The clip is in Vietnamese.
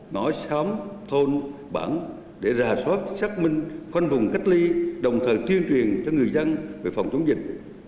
ngõ xóm thôn bản để rà soát xác minh khoanh vùng cách ly đồng thời tuyên truyền cho người dân về phòng chống dịch